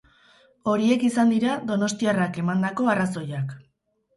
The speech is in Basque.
Horiek izan dira donostiarrak emandako arrazoiak.